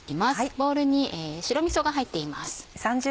ボウルに白みそが入っています。